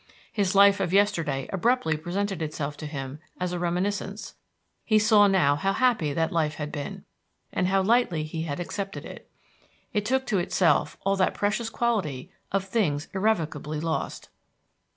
His life of yesterday abruptly presented itself to him as a reminiscence; he saw now how happy that life had been, and how lightly he had accepted it. It took to itself all that precious quality of things irrevocably lost.